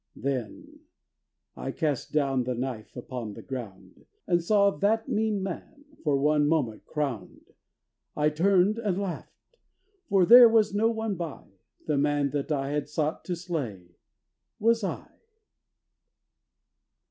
Then I cast down the knife upon the ground And saw that mean man for one moment crowned. I turned and laughed: for there was no one by The man that I had sought to slay was I.